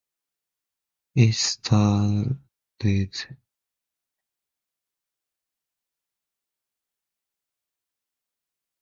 It starred David Powell and Edna Goodrich.